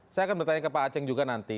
saya akan bertanya ke pak aceh juga nanti